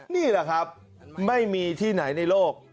นี่แหละครับไม่มีที่ไหนในโลก